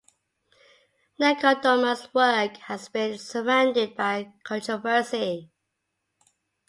Nechodoma's work has been surrounded by controversy.